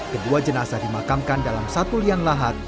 kedua jenazah dimakamkan dalam satu liang lahat